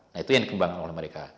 nah itu yang dikembangkan oleh mereka